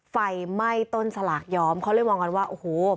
ไฟไหม้ต้นสลากย้อมเขาเลยมองกันว่าโอ้โห